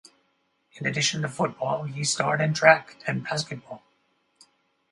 In addition to football, he starred in track and basketball.